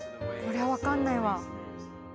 これは分かんないわ。